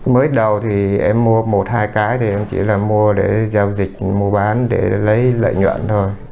mới đầu thì em mua một hai cái thì em chỉ là mua để giao dịch mua bán để lấy lợi nhuận thôi